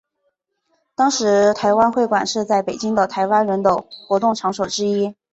当时台湾会馆是在北京的台湾人的活动场所之一。